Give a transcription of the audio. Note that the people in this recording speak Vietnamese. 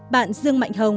bạn dương mạnh hồng